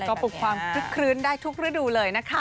ก็ปลุกความคลึกคลื้นได้ทุกฤดูเลยนะคะ